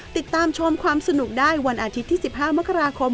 ติดตามชมความสนุกได้วันอาทิตย์ที่๑๕มกราคม